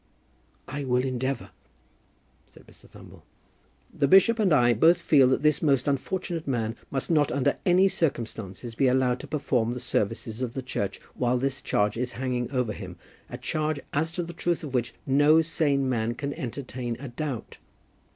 "I will endeavour," said Mr. Thumble. "The bishop and I both feel that this most unfortunate man must not under any circumstances be allowed to perform the services of the Church while this charge is hanging over him, a charge as to the truth of which no sane man can entertain a doubt."